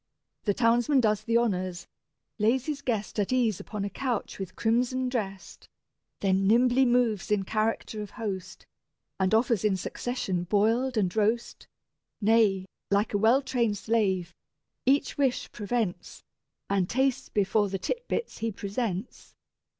The townsman does the honours, lays his guest At ease upon a couch with crimson dressed, Then nimbly moves in character of host, And offers in succession boiled and roast; Nay, like a well trained slave, each wish prevents, And tastes before the tit bits he presents.